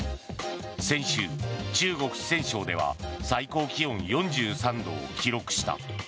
先週、中国・四川省では最高気温４３度を記録した。